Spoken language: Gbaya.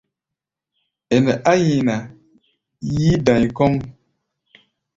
Ɛnɛ á nyina yí-da̧i kɔ́ʼm.